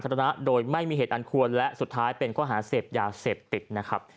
นะโดยไม่มีเหตุอันควรและสุดท้ายเป็นข้อหาเสพยาเสพติดนะครับ